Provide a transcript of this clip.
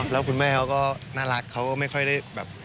แล้วคุณแม่เขาก็น่ารักเขาก็ไม่ค่อยได้แบบ